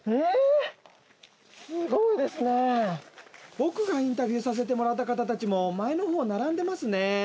僕がインタビューさせてもらった方たちも前の方並んでますね。